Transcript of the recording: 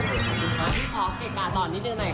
พี่พอของเก๋กอ่าวตอนนี้เดี๋ยวหน่อยค่ะ